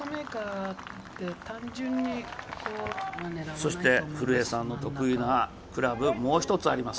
そして古江さんの得意なクラブ、もう１つあります。